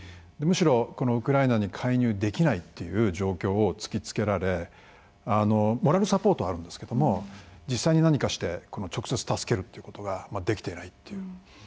むしろウクライナに介入できないという状況を突きつけられモラルサポートはあるんですけども実際に何かして直接助けるということができていないという。